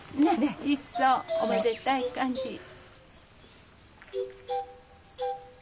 一層おめでたい感じ。